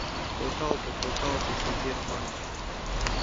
— Колталте, колталте, Сергей Романыч!